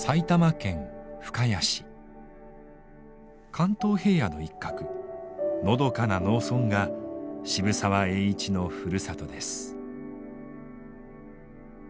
関東平野の一角のどかな農村が渋沢栄一のふるさとです。